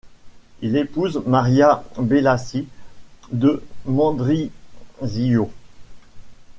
Il épouse Maria Bellasi de Mendrisio.